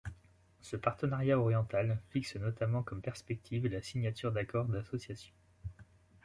Ce partenariat oriental fixe notamment comme perspective la signature d'accord d'association.